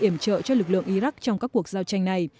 iểm trợ cho lực lượng iraq trong các cuộc giao tranh này